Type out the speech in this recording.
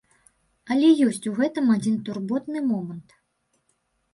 Але ёсць у гэтым адзін турботны момант.